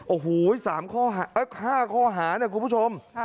โอ้โหสามข้อหาเอ๊ะห้าข้อหาคุณผู้ชม